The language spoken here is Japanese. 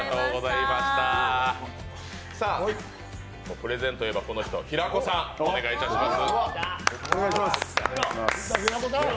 プレゼンといえばこの人、平子さん、お願いいたします。